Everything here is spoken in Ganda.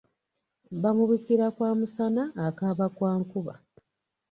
Bamubikira kwa musana akaaba kwa nkuba.